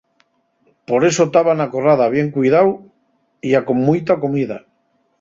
Por eso taba na corrada bien cuidáu ya con muita comida.